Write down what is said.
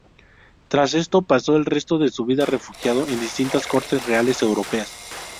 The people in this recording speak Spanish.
Tras esto pasó el resto de su vida refugiado en distintas cortes reales europeas.